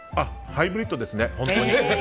ハイブリッドですね、本当に。